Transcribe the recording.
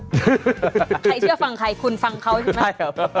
ใครเชื่อฟังใครคุณฟังเขาใช่ไหม